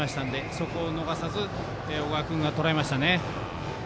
そこを逃さず小川君がとらえました。